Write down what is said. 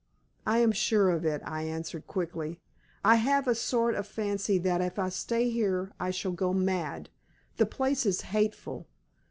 "I am sure of it," I answered, quickly. "I have a sort of fancy that if I stay here I shall go mad. The place is hateful."